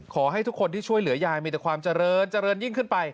ขอให้ทุกคนที่ช่วยเหลือยายมีแต่ความเจริญเจริญยิ่งขึ้นไป